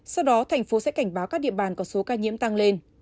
sau đó thành phố sẽ cảnh báo các địa bàn có số ca nhiễm tăng lên